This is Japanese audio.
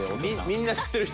みんな知ってる人？